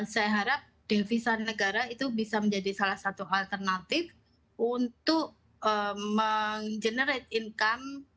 saya harap devisan negara itu bisa menjadi salah satu alternatif untuk meng generate income